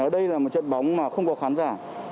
đây là một trận bóng mà không có khán giả